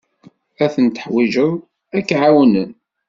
Ad ten-teḥwijed ad k-ɛawnen.